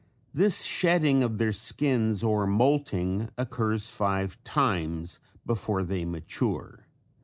This shedding of their skins or molting occurs five times before they mature.